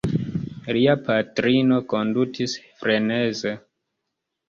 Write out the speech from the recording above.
Lia patrino kondutis freneze.